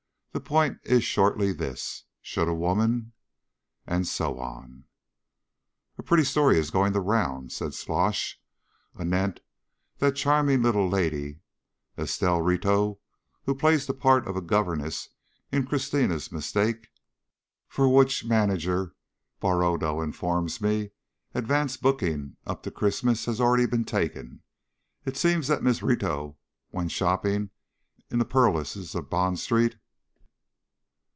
The point is shortly this. Should a woman ..." And so on. "A pretty story is going the rounds," said Slosh, "anent that charming little lady, Estelle Rito, who plays the part of a governess in Christina's Mistake, for which ("Manager" Barodo informs me) advance booking up to Christmas has already been taken. It seems that Miss Rito when shopping in the purlieus of Bond Street